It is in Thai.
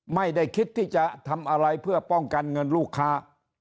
ไม่ได้คิดที่จะทำอะไรเพื่อป้องกันเงินลูกค้า